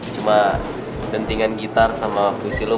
cuma dentingan gitar sama puisi lo